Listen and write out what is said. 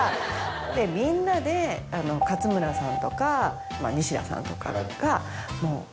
でみんなで勝村さんとか西田さんとかが。